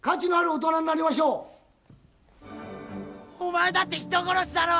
お前だって人殺しだろ！